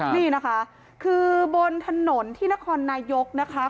นี่นะคะคือบนถนนที่นครนายกนะคะ